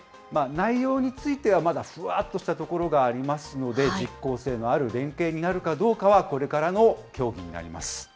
内容については、まだふわっとしたところがありますので、実効性のある連携になるかどうかはこれからの協議になります。